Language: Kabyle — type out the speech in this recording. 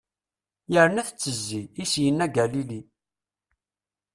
Yerna tettezzi, i s-yenna Galili.